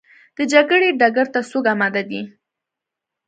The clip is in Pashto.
د جګړې ډګر ته څوک اماده دي؟